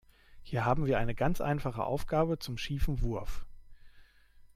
Hier haben wir eine ganz einfache Aufgabe zum schiefen Wurf.